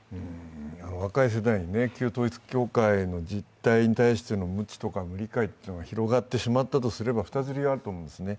若い世代に旧統一教会の実態に対しての無知とか無理解が広がってしまったとすれば、２つ理由があると思うんですね。